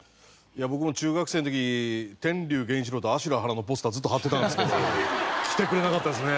僕も中学生の時天龍源一郎と阿修羅・原のポスターずっと貼ってたんですけど来てくれなかったですね。